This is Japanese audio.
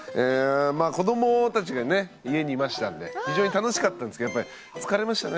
まあ子どもたちがね家にいましたんで非常に楽しかったんですけどやっぱり疲れましたね